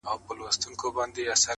یو قاضي بل څارنوال په وظیفه کي,